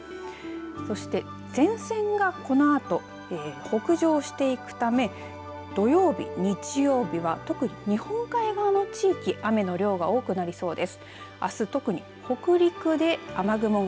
そして前線がこのあと北上していくため土曜日、日曜日は特に日本海側の地域雨の量が多くなりそうです。